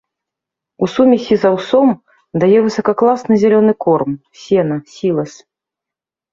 У сумесі з аўсом дае высакаякасны зялёны корм, сена, сілас.